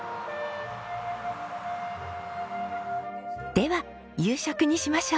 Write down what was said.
では夕食にしましょう。